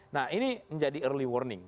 nah ini menjadi early warning